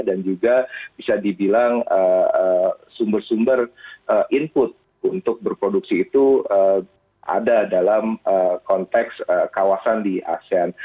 dan juga bisa dibilang sumber sumber input untuk berproduksi itu ada dalam konteks kawasan di asean